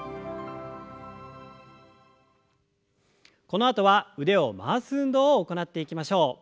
このあとは腕を回す運動を行っていきましょう。